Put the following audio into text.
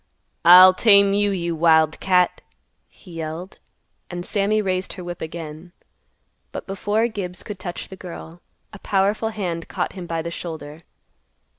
"I'll tame you, you wild cat," he yelled. And Sammy raised her whip again. But before Gibbs could touch the girl, a powerful hand caught him by the shoulder.